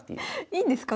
いいんですか？